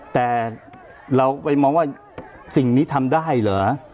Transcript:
แต่เราไปมองว่าสิ่งนี้ทำได้เหรอ